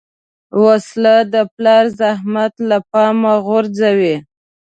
وسله د پلار زحمت له پامه غورځوي